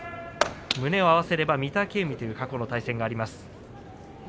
胸を合わせれば御嶽海という過去の対戦があります。